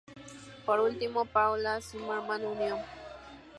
Por último, Paul A. Zimmerman unió.